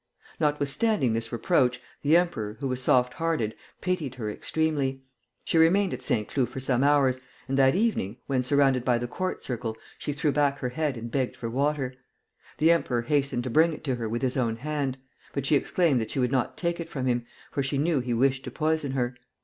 Notwithstanding this reproach, the emperor, who was soft hearted, pitied her extremely. She remained at Saint Cloud for some hours, and that evening, when surrounded by the court circle, she threw back her head and begged for water. The emperor hastened to bring it to her with his own hand; but she exclaimed that she would not take it from him, for she knew he wished to poison her.